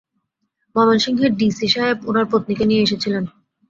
ময়মনসিংহের D, C, সাহেব ওনার পত্নীকে নিয়ে এসেছিলেন।